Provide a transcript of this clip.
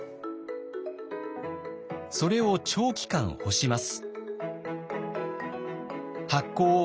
それを長期間干します。